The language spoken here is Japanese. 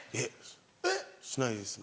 えっしないですね。